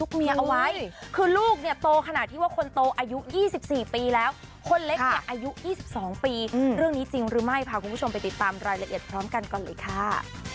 คนเล็กที่อายุ๒๒ปีเรื่องนี้จริงหรือไม่ผ่ากับวงการลิเกย์สิบตามรายละเอียดพร้อมกันก่อนเลยค่ะ